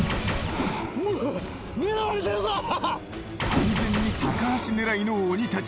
完全に高橋狙いの鬼たち。